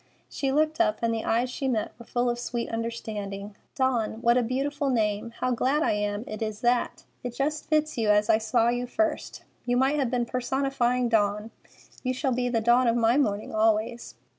She looked up, and the eyes she met were full of sweet understanding. "Dawn! What a beautiful name! How glad I am it is that! It just fits you as I saw you first. You might have been personifying Dawn. You shall be the Dawn of my morning always."